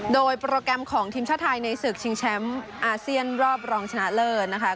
โดยโปรแกรมของทีมชาติไทยในศึกชิงแชมป์อาเซียนรอบรองชนะเลิศนะคะ